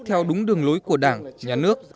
theo đúng đường lối của đảng nhà nước